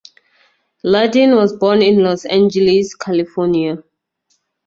Ledeen was born in Los Angeles, California.